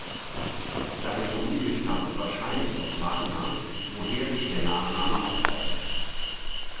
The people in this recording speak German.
Seine Familie stammte wahrscheinlich aus Warna, woher sich der Nachname ableitet.